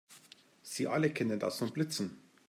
Sie alle kennen das von Blitzen.